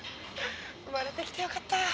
生まれて来てよかった。